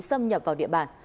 xâm nhập vào địa bàn